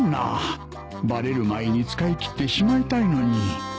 バレる前に使い切ってしまいたいのに